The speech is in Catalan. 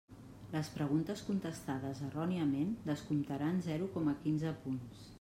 Les preguntes contestades erròniament descomptaran zero coma quinze punts.